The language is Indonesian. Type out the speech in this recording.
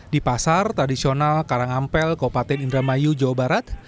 di pasar tradisional karangampel kopaten indramayu jawa barat